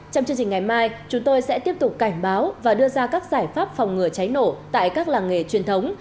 trong chương trình ngày mai chúng tôi sẽ tiếp tục cảnh báo và đưa ra các giải pháp phòng ngừa cháy nổ tại các làng nghề truyền thống